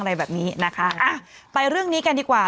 อะไรแบบนี้นะคะอ่ะไปเรื่องนี้กันดีกว่า